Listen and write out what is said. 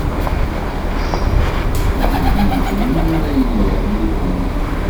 Assa ad d-yali yetri ara inewwṛen udmawen.